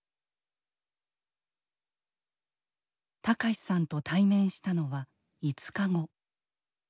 隆さんと対面したのは５日後。